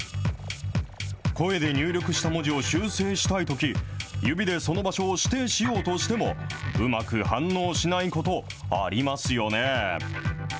声で入力した文字を修正したいとき、指でその場所を指定しようとしても、うまく反応しないことありますよね。